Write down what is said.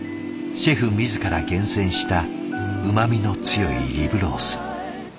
シェフ自ら厳選したうまみの強いリブロース。